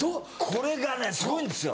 これがねすごいんですよ。